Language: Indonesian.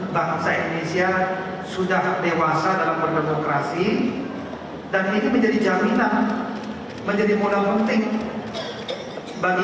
bangsa indonesia sudah dewasa dalam berdemokrasi dan ini menjadi jaminan menjadi modal penting bagi